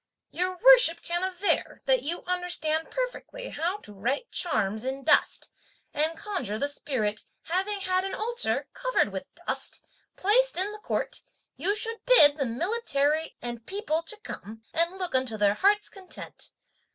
Your Worship can aver that you understand perfectly how to write charms in dust, and conjure the spirit; having had an altar, covered with dust, placed in the court, you should bid the military and people to come and look on to their heart's content.